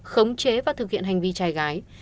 khống chế và thực hiện hành vi trai gái